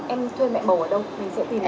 em tuyên mẹ bầu ở đâu